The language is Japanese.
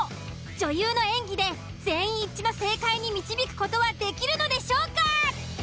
女優の演技で全員一致の正解に導く事はできるのでしょうか。